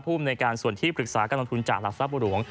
ภูมิในการส่วนที่ปรึกษาการลงทุนจากหลักทรัพย์หลวง